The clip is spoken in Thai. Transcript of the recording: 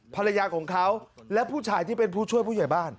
ภรรยาของเขาและผู้ชายที่เป็นผู้ช่วยผู้ใหญ่บ้าน